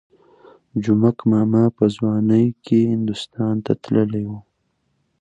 جومک ماما په ځوانۍ کې هندوستان ته تللی وو.